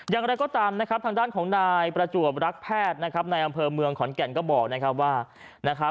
อย่างไรก็ตามนะครับทางด้านของนายประจวบรักแพทย์นะครับในอำเภอเมืองขอนแก่นก็บอกนะครับว่านะครับ